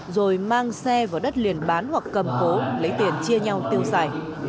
rồi mang xe vào đất liền bán hoặc cầm cố lấy tiền chia nhau tiêu xài